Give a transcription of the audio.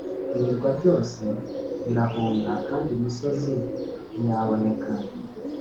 Ibirwa byose birahunga kandi imisozi ntiyaboneka.